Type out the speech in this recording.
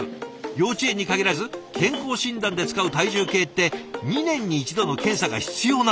幼稚園に限らず健康診断で使う体重計って２年に１度の検査が必要なんですって。